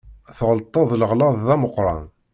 Tɣelṭeḍ leɣlaḍ d ameqqran.